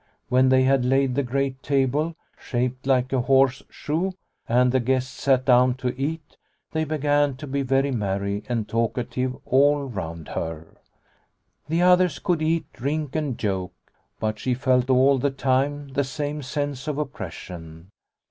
When they had laid the great table, shaped like a horseshoe, and the guests sat down to eat, they began to be very merry and talkative all round her. The others could eat, drink, and joke, but she felt all the time the same sense of oppression.